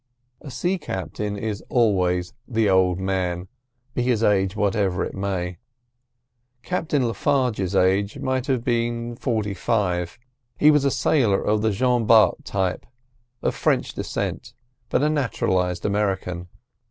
A sea captain is always the "old man," be his age what it may. Captain Le Farges' age might have been forty five. He was a sailor of the Jean Bart type, of French descent, but a naturalised American.